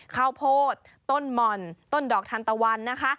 ข้าวโพดต้นหม่อนต้นดอกทันตะวันนะคะ